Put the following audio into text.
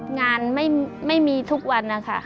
งานไม่มีทุกวันนะคะ